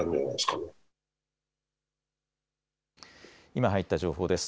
今入った情報です。